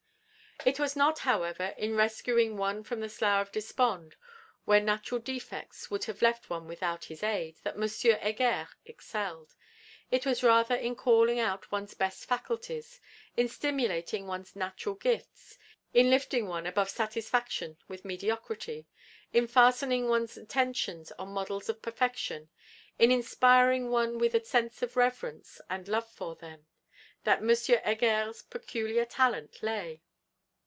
It was not, however, in rescuing one from the slough of despond, where natural defects would have left one without his aid, that M. Heger excelled it was rather in calling out one's best faculties; in stimulating one's natural gifts; in lifting one above satisfaction with mediocrity; in fastening one's attention on models of perfection; in inspiring one with a sense of reverence and love for them, that M. Heger's peculiar talent lay.